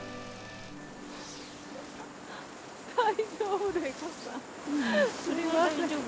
大丈夫？